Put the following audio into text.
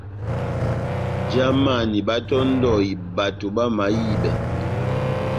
Jamani báhátɔ́ndɔhi bato bamahibɛ.